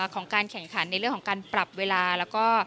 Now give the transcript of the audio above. ของการแข่งขันในเรื่องของการปรับเวลาแล้วก็